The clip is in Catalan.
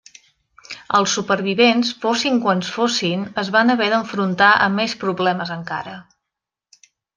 Els supervivents, fossin quants fossin, es van haver d'enfrontar a més problemes encara.